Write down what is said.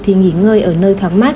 thì nghỉ ngơi ở nơi thoáng mát